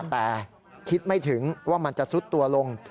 แต่คิดไม่ถึงว่ามันจะซุดตัวลง